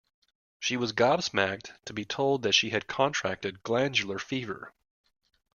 She was gobsmacked to be told that she had contracted glandular fever